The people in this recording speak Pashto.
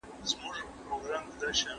هیواد د سخت اقتصادي بحران سره مخ کیدای سي.